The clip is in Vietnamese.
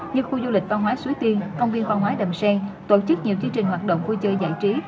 như khu du lịch văn hóa suối tiên công viên văn hóa đầm sen tổ chức nhiều chương trình hoạt động vui chơi giải trí